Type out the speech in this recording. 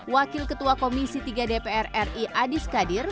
wakil ketua komisi tiga dprri adi skadir